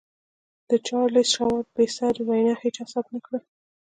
د چارليس شواب بې ساري وينا هېچا ثبت نه کړه.